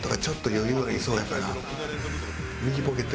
余裕ありそうやから。